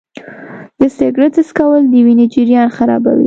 د سګرټ څکول د وینې جریان خرابوي.